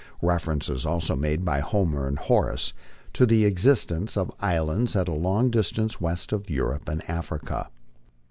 Reference is also made by Homer and Horace to the ex istence of islands at a long distance west of Europe and Africa.